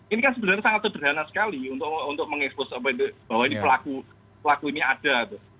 ini kan sebenarnya sangat sederhana sekali untuk mengekspos bahwa pelaku ini ada